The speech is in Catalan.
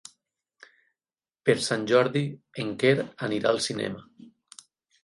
Per Sant Jordi en Quer anirà al cinema.